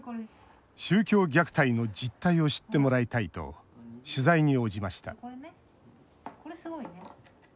宗教虐待の実態を知ってもらいたいと取材に応じました。